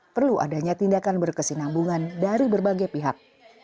perlu adanya tindakan berkesinambungan dari berbagai pihak